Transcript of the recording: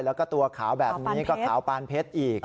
แล้วก็ตัวขาวแบบนี้ก็ขาวปานเพชรอีก